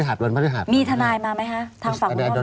พัฒนาหารมีธนายมาไหมคะ